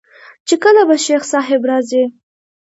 چې کله به شيخ صاحب راځي.